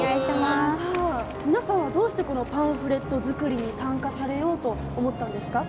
皆さんはどうしてこのパンフレット作りに参加されようと思ったんですか？